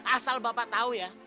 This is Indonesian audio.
asal bapak tau ya